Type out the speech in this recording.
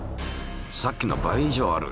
さっきの倍以上ある。